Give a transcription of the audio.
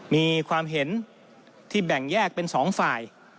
มีความเห็นที่แบ่งแยกเป็นสองฝ่าย